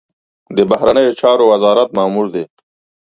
د بهرنیو چارو وزارت مامور دی.